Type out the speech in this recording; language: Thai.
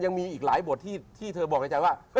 ยังมีอีกหลายบทที่เธอบอกในใจว่า